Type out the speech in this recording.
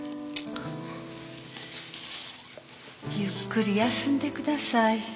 ゆっくり休んでください。